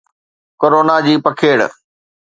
corona جي پکيڙ